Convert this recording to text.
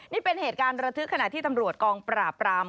นี่เป็นเหตุการณ์ระทึกขณะที่ตำรวจกองปราบราม